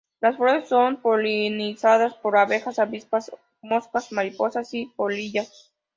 Las flores son polinizadas por abejas, avispas, moscas, mariposas y polillas.